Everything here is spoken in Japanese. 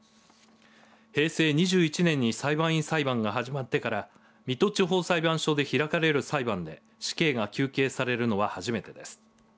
平成２１年に裁判員裁判が始まってから水戸地方裁判所で開かれる裁判で死刑が求刑されるのは初めてです。